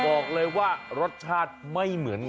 บอกเลยว่ารสชาติไม่เหมือนกัน